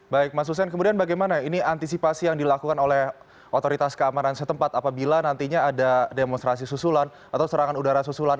baik mas hussein kemudian bagaimana ini antisipasi yang dilakukan oleh otoritas keamanan setempat apabila nantinya ada demonstrasi susulan atau serangan udara susulan